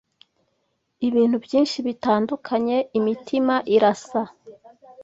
Ibintu byinshi bitandukanye imitima irasa